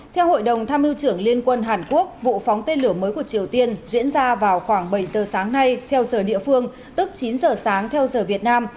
theo hội đồng tham mưu trưởng liên quân hàn quốc vụ phóng tên lửa mới của triều tiên diễn ra vào khoảng bảy giờ sáng nay theo giờ địa phương tức chín giờ sáng theo giờ việt nam